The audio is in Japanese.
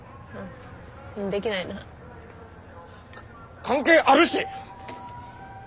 できないな。か関係あるし！